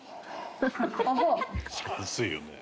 「熱いよね」